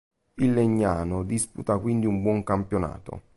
Il Legnano disputa quindi un buon campionato.